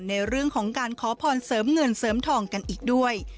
ในเรื่องของการขอพรเสริมเงินเสริมทองกันอีกด้วย